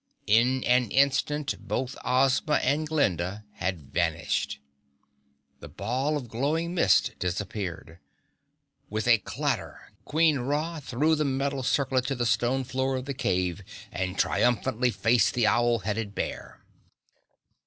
In an instant both Ozma and Glinda had vanished. The ball of glowing mist disappeared. With a clatter Queen Ra threw the metal circlet to the stone floor of the cave and triumphantly faced the owl headed bear.